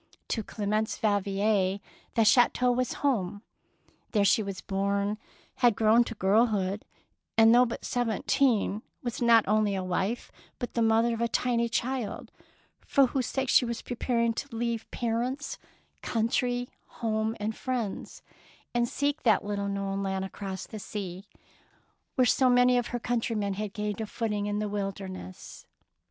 To Clemence Yal vier the chateau was home. There she was born, had grown to girlhood, and though but seventeen was not only a wife, but the mother of a tiny child for whose sake she was preparing to leave 130 THE PEARL NECKLACE parents, country, home, and friends, and seek that little known land across the sea where so many of her coun trymen had gained a footing in the wilderness.